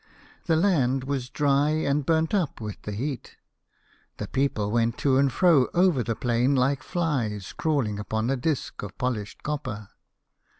The land was dry, and burnt up with the heat. The people went to and fro over the plain like dies crawl ing upon a disk of polished copper.